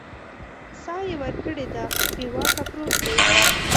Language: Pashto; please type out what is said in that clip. ساه یې ورکړې ده بې واکه پروت دی